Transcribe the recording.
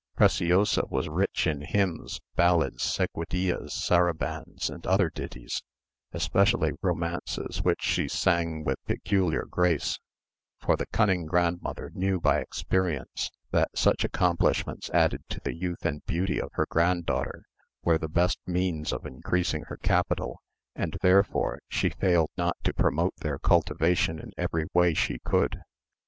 Preciosa was rich in hymns, ballads, seguidillas, sarabands, and other ditties, especially romances, which she sang with peculiar grace; for the cunning grandmother knew by experience that such accomplishments, added to the youth and beauty of her granddaughter, were the best means of increasing her capital, and therefore she failed not to promote their cultivation in every way she could.